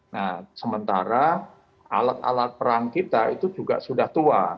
nah sementara alat alat perang kita itu juga sudah tua